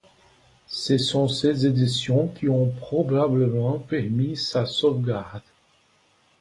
Ce sont ces éditions qui ont probablement permis sa sauvegarde.